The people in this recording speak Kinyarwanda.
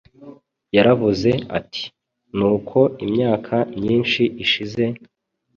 Yaravuze ati, “Nuko imyaka myinshi ishize,